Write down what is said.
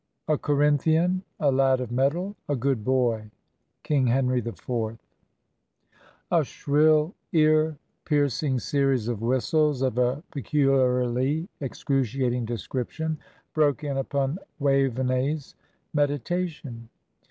"A Corinthian, a lad of metal, a good boy." King Henry IV. A shrill, ear piercing series of whistles, of a peculiarly excruciating description, broke in upon Waveney's meditation.